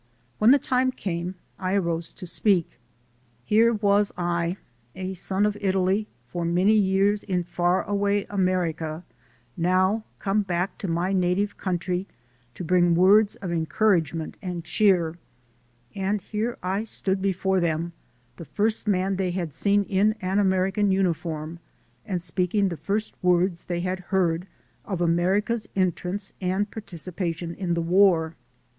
When the time came, I arose to speak. Here was I, a son of Italy, for many years in far away America, now come back to my native country to bring words of encouragement and cheer; and here I stood before them, the first man they had seen in an American uniform, and speaking the first words they had heard of America's entrance and participa tion in the war.